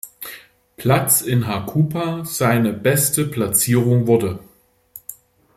Platz in Hakuba seine beste Platzierung wurde.